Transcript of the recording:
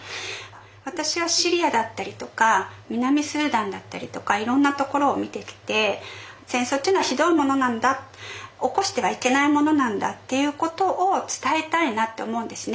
私はシリアだったりとか南スーダンだったりとかいろんなところを見てきて戦争っていうのはひどいものなんだ起こしてはいけないものなんだっていうことを伝えたいなって思うんですね